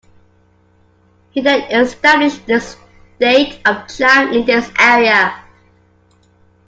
He then established the state of Chang in this area.